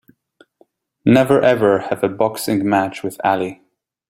Never ever have a boxing match with Ali!